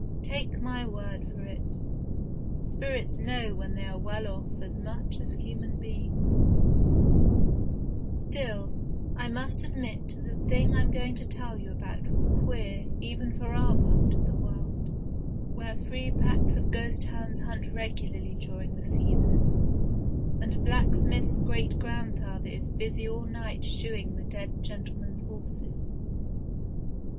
Take my word for it, spirits know when they are well off as much as human beings. THE GHOST SHIP 3 Still, I must admit that the thing I'm going to tell you about was queer even for our part of the world, where three packs of ghost hounds hunt regularly during the season, and blacksmith's great grandfather is busy all night shoeing the dead gentlemen's horses.